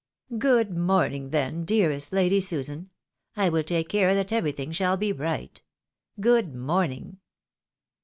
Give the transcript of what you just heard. Oond morning, then, dearest Lady Susan ! I wUl take care that everything shall be right. Good morning."